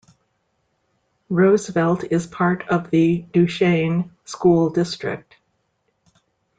Roosevelt is part of the Duchesne School District.